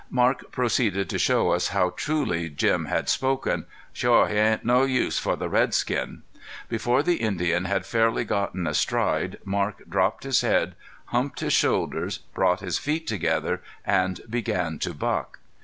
Marc proceeded to show us how truly Jim had spoken: "Shore he ain't no use for the redskin." Before the Indian had fairly gotten astride, Marc dropped his head, humped his shoulders, brought his feet together and began to buck.